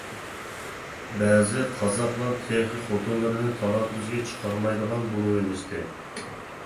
بەزى قازاقلار تېخى خوتۇنلىرىنى تالا-تۈزگە چىقارمايدىغان بولۇۋېلىشتى.